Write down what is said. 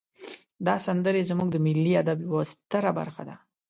دا سندرې زمونږ د ملی ادب یوه ستره برخه ده.